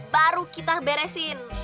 baru kita beresin